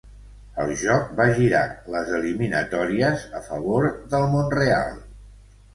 El joc va girar les eliminatòries a favor del Montreal.